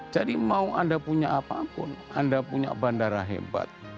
jadi mau anda punya apapun anda punya bandara hebat